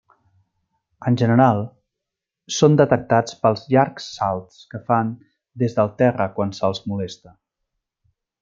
En general, són detectats pels llargs salts que fan des del terra quan se'ls molesta.